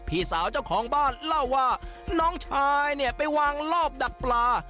พี่สาวเจ้าของบ้านเล่าว่าน้องชายเนี่ยไปวางรอบดักปลา